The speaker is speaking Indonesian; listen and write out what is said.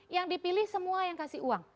yang dipilih semua yang kasih uang